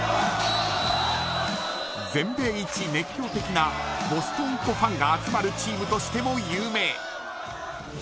全米一熱狂的なボストンっ子ファンが集まるチームとしても有名。